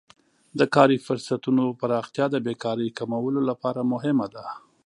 د کاري فرصتونو پراختیا د بیکارۍ کمولو لپاره مهمه ده.